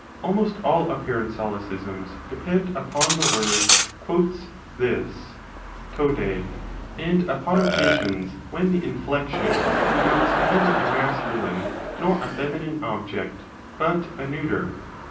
25 Almost all apparent solecisms depend upon the word this (TO&), and upon occasions when the inflection denotes neither a masculine nor a feminine object but a neuter.